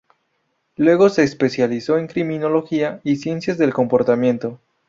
Luego se especializó en criminología y ciencias del comportamiento.